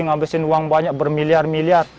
ngabesin uang banyak bermiliar miliar